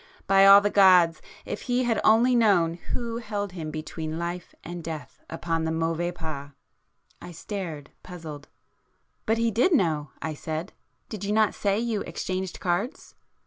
By all the gods!—if he had only known Who held him between life and death upon the Mauvais Pas!" I stared, puzzled. "But he did know"—I said—"Did you not say you exchanged cards?"